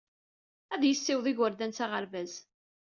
Ad yessiweḍ igerdan s aɣerbaz.